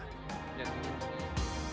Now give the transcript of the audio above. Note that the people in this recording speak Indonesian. tim liputan cnn indonesia